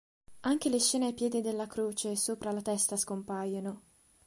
Anche le scene ai piedi della croce e sopra la testa scompaiono.